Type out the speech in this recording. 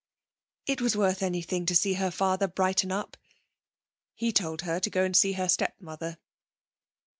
It was worth anything to see her father brighten up. He told her to go and see her stepmother.